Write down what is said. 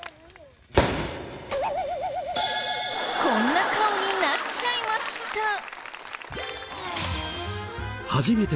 こんな顔になっちゃいました！